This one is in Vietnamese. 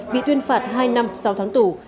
bị tuyên phạt hai năm sau tháng tủ